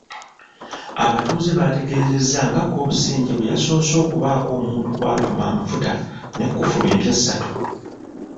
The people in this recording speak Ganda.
Abatuuze bategeezezza nga Kobusingye bwe yasoose okubaako omuntu gw'atuma amafuta ne kkufulu empya ssatu.